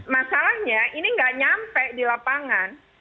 masalahnya ini nggak nyampe di lapangan